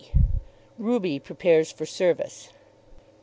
RUBY PREPARES FOR SERVICE.